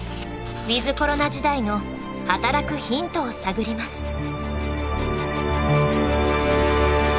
ウィズコロナ時代の働くヒントを探ります。